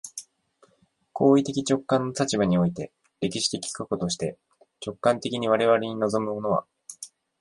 行為的直観の立場において、歴史的過去として、直観的に我々に臨むものは、